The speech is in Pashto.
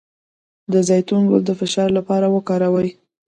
د زیتون ګل د فشار لپاره وکاروئ